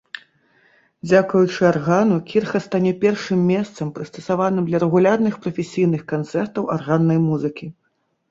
Дзякуючы аргану кірха стане першым месцам прыстасаваным для рэгулярных прафесійных канцэртаў арганнай музыкі.